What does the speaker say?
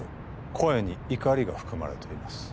声に怒りが含まれています